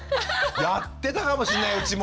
やってたかもしんないうちも。